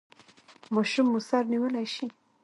ماشوم مو سر نیولی شي؟